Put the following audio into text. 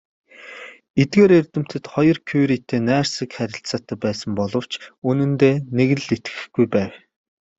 Эдгээр эрдэмтэд хоёр Кюретэй найрсаг харилцаатай байсан боловч үнэндээ нэг л итгэхгүй байв.